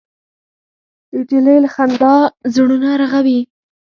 نجلۍ له خندا زړونه رغوي.